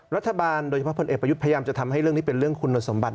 รัฐบาลโดยเฉพาะพลเอกประยุทธ์พยายามจะทำให้เรื่องนี้เป็นเรื่องคุณสมบัติ